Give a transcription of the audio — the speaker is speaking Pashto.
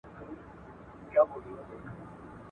په قلم خط لیکل د زړونو د نږدې کولو لاره ده.